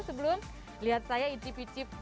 sebelum lihat saya icip icip